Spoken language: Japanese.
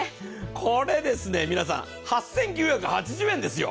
これ、皆さん８９８０円ですよ。